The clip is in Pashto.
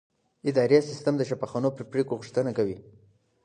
اداري سیستم د شفافو پریکړو غوښتنه کوي.